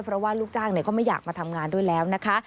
เพราะว่าลูกจ้างก็ไม่อยากมาทำงานด้วยแล้วนะคะ